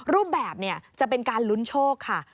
รูปแบบจะเป็นการลุ้นโชคค่ะ